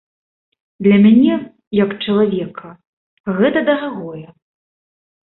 Для мяне як чалавека гэта дарагое.